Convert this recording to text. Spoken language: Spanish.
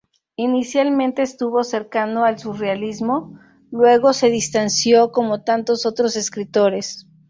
Inicialmente estuvo cercano al surrealismo; luego se distanció como tantos otros escritores.